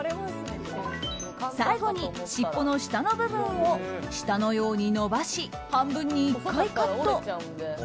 最後に尻尾の下の部分を舌のように伸ばし半分に１回カット。